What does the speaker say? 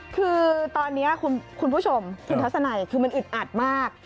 คือตอนนี้คุณผู้ชมคุณทัศนัยคือมันอึดอัดมาก